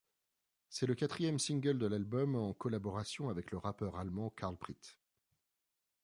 C'est le quatrième single de l’album en collaboration avec le rappeur allemand Carlprit.